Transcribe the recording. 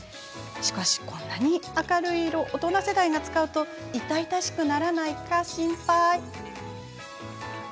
しかし、こんな明るい色大人世代が使うと痛々しくなってしまわないか心配。